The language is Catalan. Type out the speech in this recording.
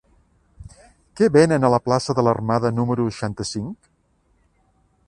Què venen a la plaça de l'Armada número seixanta-cinc?